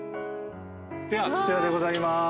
ではこちらでございます。